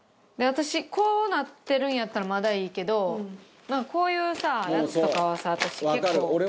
私こうなってるんやったらまだいいけどこういうやつとかはさ私結構。